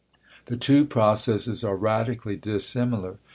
The two processes are radically dis similar.